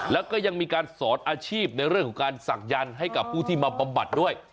แล้วก็ยังมีการสอนอาชีพในเรื่องของการศักยันต์ให้กับผู้ที่มาบำบัดด้วย